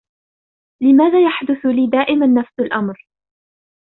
لماذا يحدث لي دائما نفس الأمر؟